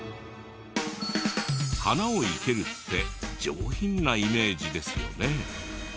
花を生けるって上品なイメージですよね。